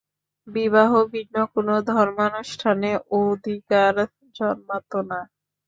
বিবাহ ভিন্ন কোন ধর্মানুষ্ঠানে অধিকার জন্মাত না।